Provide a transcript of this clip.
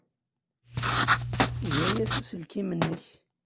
Eg aya s uselkim-nnek.